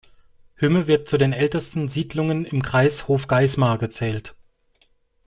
Hümme wird zu den ältesten Siedlungen im Kreis Hofgeismar gezählt.